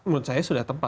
menurut saya sudah tepat